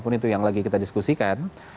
pun itu yang lagi kita diskusikan